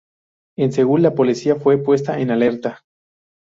En Seúl la policía fue puesta en alerta.